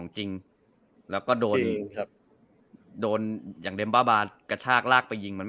ใช่ใช่